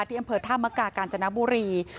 ที่อำเภอธามกากาญจนบุรี